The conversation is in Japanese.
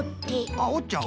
あっおっちゃう？